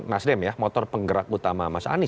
nasdem ya motor penggerak utama mas anies